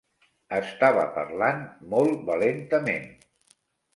Estava parlant molt valentament.